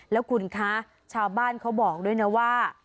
แล้วคุณคะชาวบ้านเขาบอกด้วยนะว่า